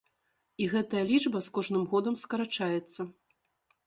І гэтая лічба з кожным годам скарачаецца.